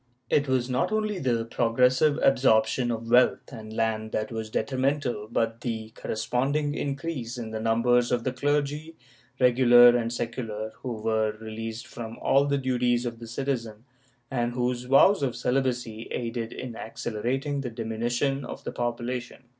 It was not only the progressive absorption of wealth and land that was detrimental but the corresponding increase in the numbers of the clergy, regular and secular, who were released from all the duties of the citizen, and whose vows of celibacy aided in accelera ting the diminution of the population.